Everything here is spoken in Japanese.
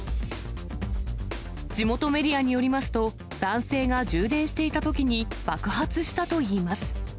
地元メディアによりますと、男性が充電していたときに爆発したといいます。